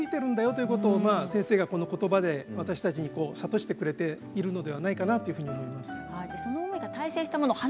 植物にはすべて名前が付いているんだよということを先生が、この言葉で私たちに諭してくれているのではないかなと思います。